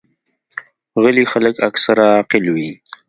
غلي خلک اکثره عاقل وي.